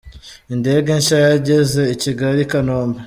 Indege nshya yageze i Kigali ikanombe